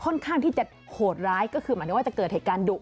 ค่อนข้างที่จะโหดร้ายมันนึกว่าจะเกิดเหตุการณ์ดุ